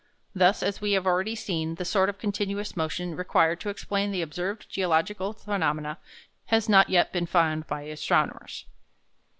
Thus, as we have already seen, the sort of continuous motion required to explain the observed geological phenomena has not yet been found by astronomers.